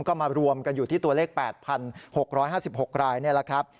ก็มารวมกันอยู่ที่ตัวเลข๘๖๕๖รายนี่แหละครับ